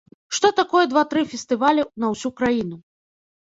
Што такое два-тры фестывалі на ўсю краіну?